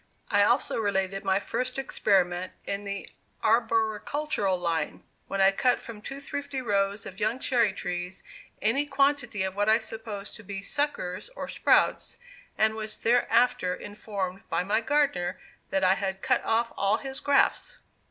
I also related my first experiment in the arboricultural line, when I cut from two thrifty rows of young cherry trees any quantity of what I supposed to be "suckers," or "sprouts," and was thereafter informed by my gardener that I had cut off all his grafts!